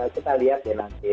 kita lihat deh nanti